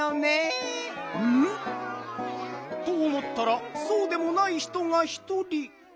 うん？とおもったらそうでもない人がひとり。